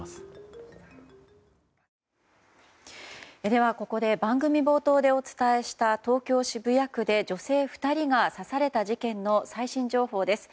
では、ここで番組冒頭でお伝えした東京・渋谷区で女性２人が刺された事件の最新情報です。